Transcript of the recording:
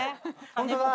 ホントだ。